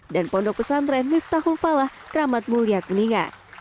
dan pondok pesantren miftahul falah keramat mulia kuningan